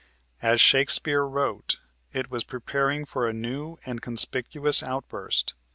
As Shakespeare wrote, it was preparing for a new and conspicuous outburst.